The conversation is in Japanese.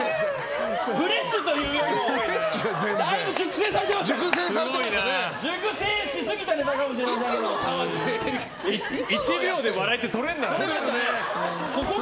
フレッシュというよりもだいぶ熟成されてましたが。